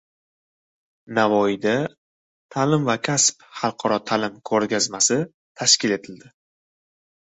Navoiyda “Ta’lim va kasb” xalqaro ta’lim ko‘rgazmasi tashkil etildi